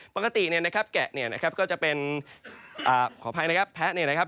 ปกติเนี่ยนะครับแกะเนี่ยนะครับก็จะเป็นขออภัยนะครับแพ้เนี่ยนะครับ